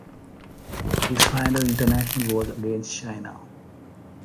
His final international was against China.